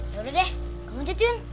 yaudah deh kemungkinan